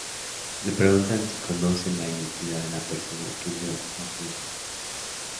Le preguntan si conoce la identidad de la persona que hundió la Atlántida.